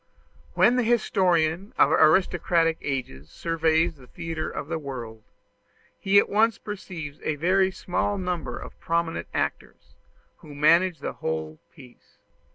When the historian of aristocratic ages surveys the theatre of the world, he at once perceives a very small number of prominent actors, who manage the whole piece.